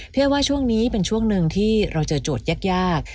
เพื่อว่าช่วงนี้เป็นช่วงหนึ่งที่เราเจอโจทย์ยาก